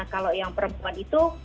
kalau yang perempuan itu